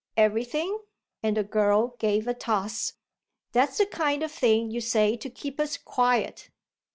"Everything?" And the girl gave a toss. "That's the kind of thing you say to keep us quiet."